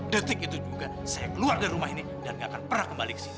detik itu juga saya keluar dari rumah ini dan gak akan pernah kembali ke sini